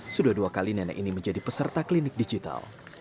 sudah dua kali nenek ini menjadi peserta klinik digital